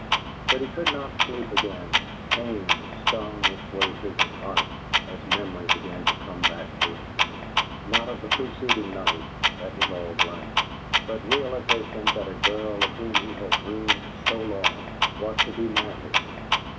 But he could not sleep again; pain stung its way through his heart as memory began to come back to him, not of the preceding night that was all blank, but realization that the girl of whom he had dreamed so long was to be married.